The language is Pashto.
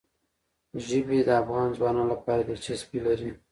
ژبې د افغان ځوانانو لپاره دلچسپي لري.